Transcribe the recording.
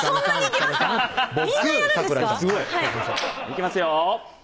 いきますよ